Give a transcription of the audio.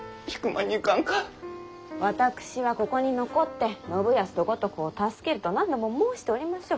私はここに残って信康と五徳を助けると何度も申しておりましょう。